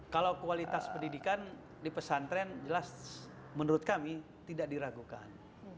kalau kualitas pendidikan di pesantren jelas menurut kami tidak diragukan